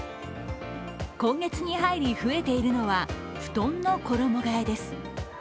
今月に入り増えているのは、布団の衣がえです。